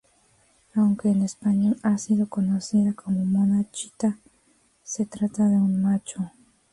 Aunque en español ha sido conocida como mona Chita, se trata de un macho.